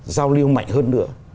giao lưu mạnh hơn nữa